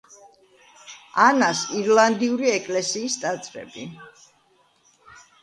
ანას ირლანდიური ეკლესიის ტაძრები.